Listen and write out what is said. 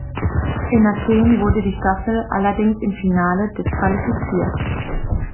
In Athen wurde die Staffel allerdings im Finale disqualifiziert.